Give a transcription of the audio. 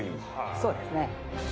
そうですね。